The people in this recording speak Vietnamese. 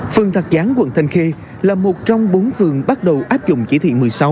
phương thạc giáng quận thanh khê là một trong bốn phương bắt đầu áp dụng chỉ thị một mươi sáu